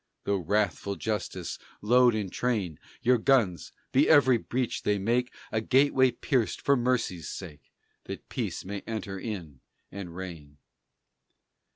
Though wrathful justice load and train Your guns, be every breach they make A gateway pierced for mercy's sake That peace may enter in and reign.